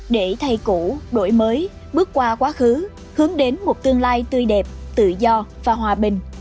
để thay cũ đổi mới bước qua quá khứ hướng đến một tương lai tươi đẹp tự do và hòa bình